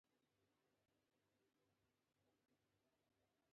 نورستان د افغانستان هیواد یوه خورا مهمه او لویه طبیعي ځانګړتیا ده.